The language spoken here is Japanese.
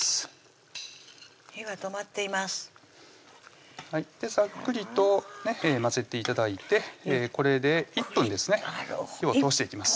火は止まっていますざっくりと混ぜて頂いてこれで１分ですね火を通していきます